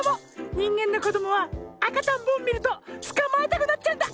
にんげんのこどもはあかとんぼをみるとつかまえたくなっちゃうんだ！